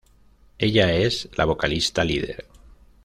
Ella es la vocalista líder.